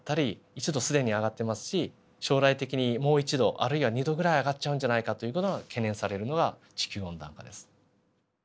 既に上がってますし将来的にもう１℃あるいは２℃ぐらい上がっちゃうんじゃないかという事が懸念されるのが地球温暖化です。